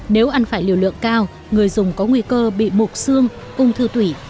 nếu ăn phải liều lượng cao người dùng có nguy cơ bị mục xương ung thư tủy